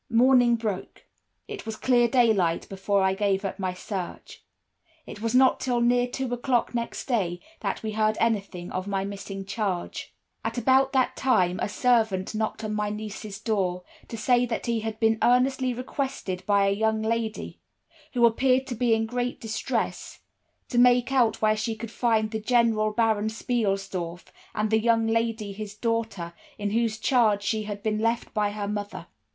"Morning broke. It was clear daylight before I gave up my search. It was not till near two o'clock next day that we heard anything of my missing charge. "At about that time a servant knocked at my niece's door, to say that he had been earnestly requested by a young lady, who appeared to be in great distress, to make out where she could find the General Baron Spielsdorf and the young lady his daughter, in whose charge she had been left by her mother.